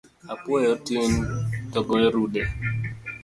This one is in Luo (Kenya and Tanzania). Apuoyo tin to goyo rude